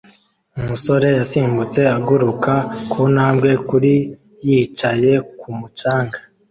Umusore yasimbutse aguruka kuntambwe kuri yicaye kumu canga